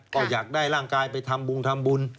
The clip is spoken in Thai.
ก็อยากได้ร่างกายไปทำบุงทำบุญ